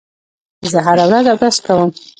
زه هره ورځ اودس کوم.